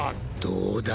どうだ？